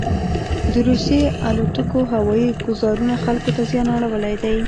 دروسیې الوتکوهوایي ګوزارونوخلکو ته زیان اړولی دی.